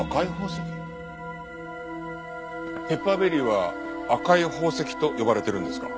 ペッパーベリーは赤い宝石と呼ばれてるんですか？